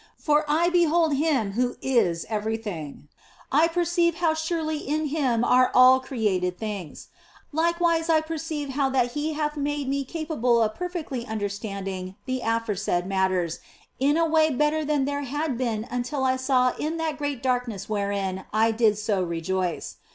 For I behold Him who is everything ; I perceive how surely in Him are all created things ; I likewise perceive how that He hath made me capable of perfectly understanding the aforesaid matters in a way better than there had been until I saw in that great darkness wherein I did so re joice.